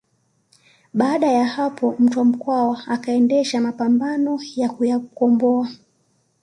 Baada ya hapo Mtwa Mkwawa akaendesha mapambano ya kuyakomboa